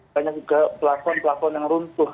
banyak juga pelafon pelafon yang runtuh